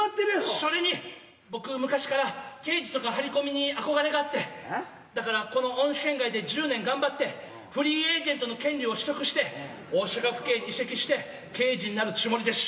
しょれに僕昔から刑事とか張り込みに憧れがあってだからこの温泉街で１０年頑張ってフリーエージェントの権利を取得して大阪府警に移籍して刑事になるちゅもりでしゅ。